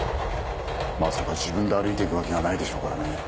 まさか自分で歩いて行くわけがないでしょうからね。